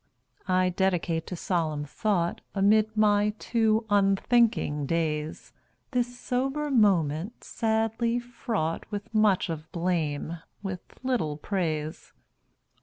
I dedicate to solemn thought Amid my too unthinking days, This sober moment, sadly fraught With much of blame, with little praise.